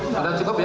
sudah cukup ya